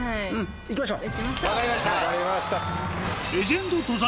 いきましょう！